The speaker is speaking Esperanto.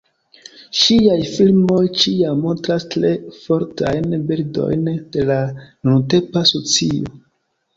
Ŝiaj filmoj ĉiam montras tre fortajn bildojn de la nuntempa socio.